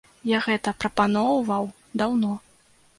Я гэта прапаноўваў даўно.